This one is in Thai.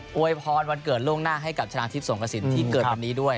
บ๊วยพรวันเกิดล่องหน้าให้กับชาติธิบสมกระสินทร์ที่เกิดแบบนี้ด้วย